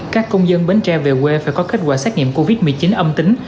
các công dân bến tre về quê phải có kết quả xét nghiệm covid một mươi chín âm tính